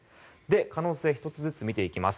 可能性を１つずつ見ていきます。